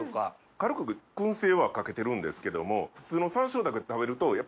軽く燻製はかけてるんですけども。